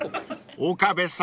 ［岡部さん